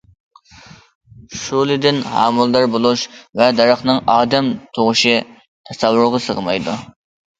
شولىدىن ھامىلىدار بولۇش ۋە دەرەخنىڭ ئادەم تۇغۇشى تەسەۋۋۇرغا سىغمايدۇ.